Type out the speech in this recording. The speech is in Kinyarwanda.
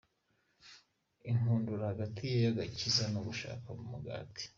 Inkundura hagati y’agakiza no gushaka umugati.